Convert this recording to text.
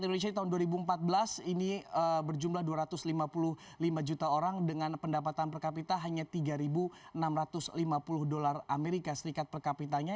indonesia di tahun dua ribu empat belas ini berjumlah dua ratus lima puluh lima juta orang dengan pendapatan per kapita hanya tiga enam ratus lima puluh dolar amerika serikat per kapitanya